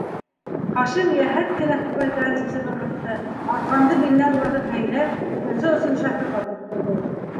Хашим йәһәт кенә фуфайкаһын сисеп ырғытты, арҡанды биленән уратып бәйләп, икенсе осон шоферға тотторҙо: